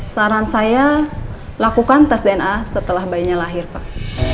saran saya lakukan tes dna setelah bayinya lahir pak